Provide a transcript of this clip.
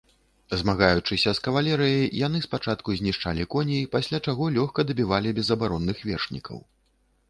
Змагаючыся з кавалерыяй, яны спачатку знішчалі коней, пасля чаго лёгка дабівалі безабаронных вершнікаў.